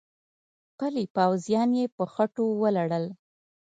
پلي پوځیان يې په خټو ولړل.